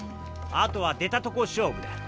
あとは出たとこ勝負だ。